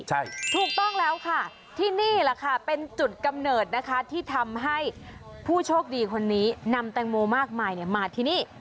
ใช่ถูกต้องแล้วค่ะที่นี่แหละค่ะเป็นจุดกำเนิดนะคะที่ทำให้ผู้โชคดีคนนี้นำแตงโมมากมายมาที่นี่